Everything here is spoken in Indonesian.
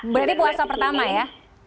berarti puasa pertama ya